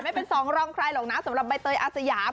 ไม่เป็นสองรองใครหรอกนะสำหรับใบเตยอาสยาม